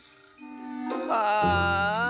ああ。